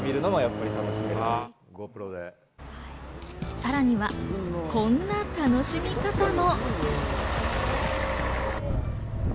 さらにはこんな楽しみ方も。